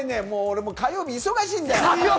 俺、火曜日、忙しいんだよ！